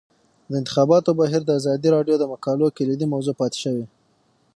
د انتخاباتو بهیر د ازادي راډیو د مقالو کلیدي موضوع پاتې شوی.